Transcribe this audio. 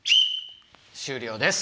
終了です！